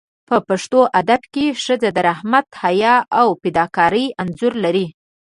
په پښتو ادب کې ښځه د رحمت، حیا او فداکارۍ انځور لري.